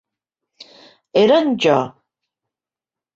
Eren jo.